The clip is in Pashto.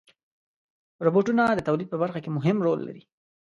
روبوټونه د تولید په برخه کې مهم رول لري.